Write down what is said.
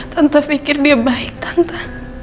tante pikir dia baik tante